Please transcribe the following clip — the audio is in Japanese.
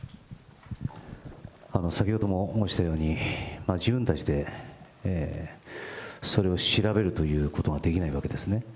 先ほども申したように、自分たちでそれを調べるということができないわけですね。